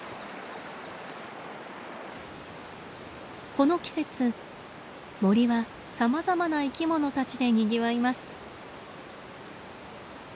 この季節森はさまざまな生きものたちでにぎわいます。